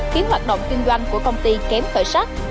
khiến hoạt động kinh doanh của công ty kém khởi sắc